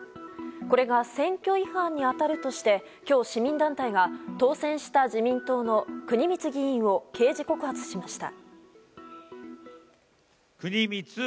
これが選挙違反に当たるとして今日、市民団体が当選した自民党の国光議員を刑事告発しました。